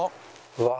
うわ。